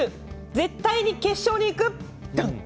「絶対に決勝に行く」。